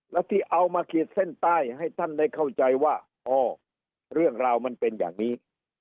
แล้วที่เอามาขีดเส้นใต้ให้ท่านได้เข้าใจว่าอ๋อเรื่องราวมันเป็นอย่างนี้